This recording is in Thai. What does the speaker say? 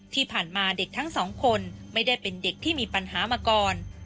ที่ผ่านมาเด็กทั้งสองคนไม่ได้เป็นเด็กที่มีปัญหามาก่อน